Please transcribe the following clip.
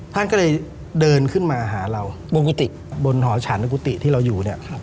ท่านก็เลยเดินขึ้นมาหาเราบนกุฏิบนหอฉันในกุฏิที่เราอยู่เนี่ย